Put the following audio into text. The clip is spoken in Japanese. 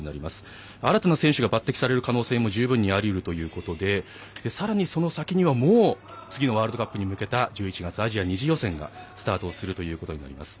新たな選手が抜擢される可能性も十分にあるということでさらにその先にはもう次のワールドカップに向けた１１月、アジア２次予選がスタートすることになります。